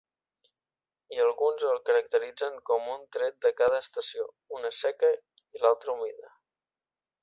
I alguns el caracteritzen com un tret de cada estació, una seca i l'altra humida.